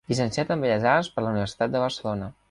Llicenciat en Belles Arts per la Universitat de Barcelona.